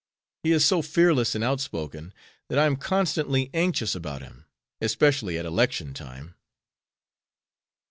He is so fearless and outspoken that I am constantly anxious about him, especially at election time."